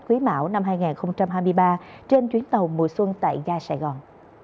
quý mạo năm hai nghìn hai mươi ba trên chuyến tàu mùa xuân tại gia sài gòn